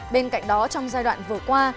bên cạnh đó trong giai đoạn vừa qua